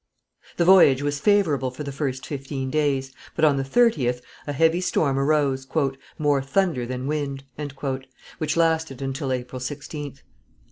The voyage was favourable for the first fifteen days, but on the 30th a heavy storm arose, "more thunder than wind," which lasted until April 16th.